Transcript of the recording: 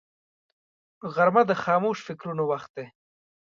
غرمه د خاموش فکرونو وخت دی